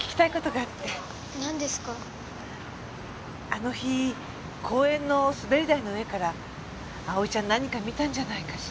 あの日公園の滑り台の上から葵ちゃん何か見たんじゃないかしら？